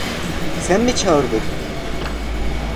Sen mi çağırdın?